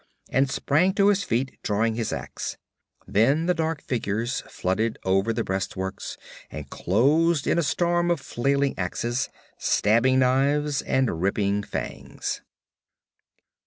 and sprang to his feet, drawing his ax. Then the dark figures flooded over the breastworks and closed in a storm of flailing axes, stabbing knives and ripping fangs.